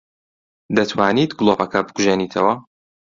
دەتوانیت گڵۆپەکە بکوژێنیتەوە؟